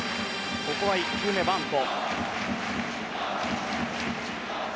ここは１球目、バント。